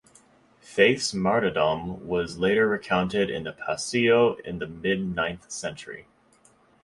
Faith's martyrdom was later recounted in the "Passio" in the mid-ninth-century.